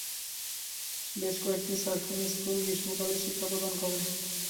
বেশ কয়েকটি surfing school গ্রীষ্মকালে শিক্ষা প্রদান করে।